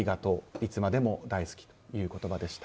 いつまでも大好きという言葉でした。